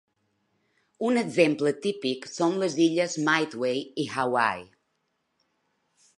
Un exemple típic són les illes Midway i Hawaii.